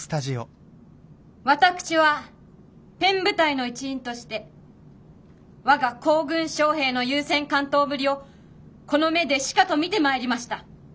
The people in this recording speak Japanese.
私はペン部隊の一員として我が皇軍将兵の勇戦敢闘ぶりをこの目でしかと見てまいりました。